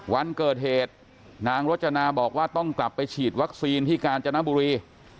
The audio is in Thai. วันเกิดเหตุนางรจนาบอกว่าต้องกลับไปฉีดวัคซีนที่กาญจนบุรี